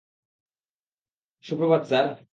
Suprabhat, sir.